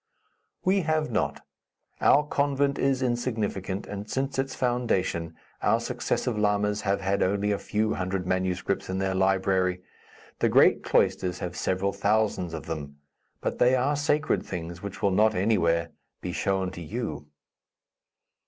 "We have not. Our convent is insignificant, and since its foundation our successive lamas have had only a few hundred manuscripts in their library. The great cloisters have several thousands of them; but they are sacred things which will not, anywhere, be shown to you."